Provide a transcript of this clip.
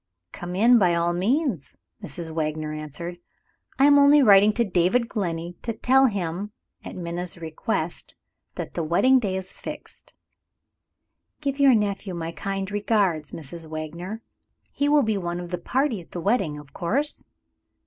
"Come in by all means," Mrs. Wagner answered. "I am only writing to David Glenney, to tell him (at Minna's request) that the wedding day is fixed." "Give your nephew my kind regards, Mrs. Wagner. He will be one of the party at the wedding, of course?"